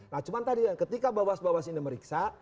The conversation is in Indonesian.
nah cuman tadi ya ketika bawah bawah sini meriksa